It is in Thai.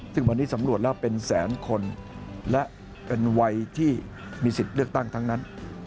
ซึ่งวันนี้สำรวจแล้วเป็นแสนคนและเป็นวัยที่มีสิทธิ์เลือกตั้งทั้งนั้น